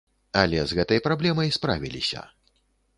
Але з гэтай праблемай справіліся.